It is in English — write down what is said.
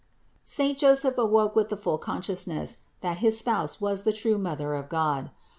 403. Saint Joseph awoke with the full consciousness, that his Spouse was the true Mother of God.